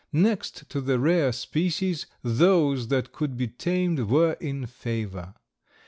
Next to the rare species those that could be tamed were in favor.